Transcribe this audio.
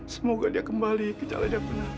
semoga dia kembali ke jalan dia benar